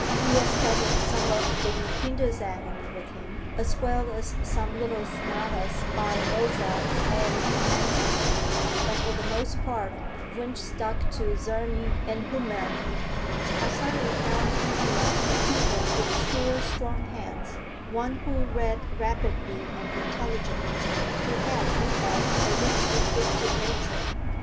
Thea studied some of the Kinderszenen with him, as well as some little sonatas by Mozart and Clementi. But for the most part Wunsch stuck to Czerny and Hummel. Harsanyi found in Thea a pupil with sure, strong hands, one who read rapidly and intelligently, who had, he felt, a richly gifted nature.